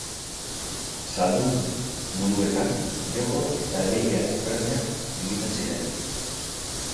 Zaldun guduetan joko eta lehia desberdinak egiten ziren.